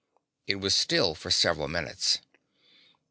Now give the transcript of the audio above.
It was still for several minutes.